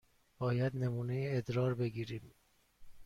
باید نمونه ادرار بگیریم.